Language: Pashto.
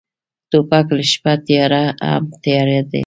توپک له شپه تیاره هم تیاره دی.